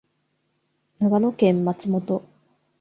長野県松本